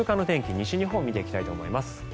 西日本を見ていきたいと思います。